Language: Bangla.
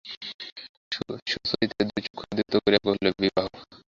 সুচরিতা দুই চক্ষু দীপ্ত করিয়া কহিল, বিবাহ?